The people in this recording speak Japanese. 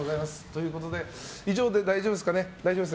以上で大丈夫ですね。